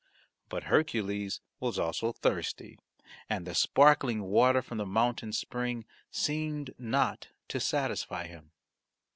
But Hercules was also thirsty, and the sparkling water from the mountain spring seemed not to satisfy him.